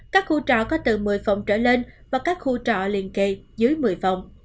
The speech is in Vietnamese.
các khu trò có từ một mươi phòng trở lên và các khu trọ liên kề dưới một mươi phòng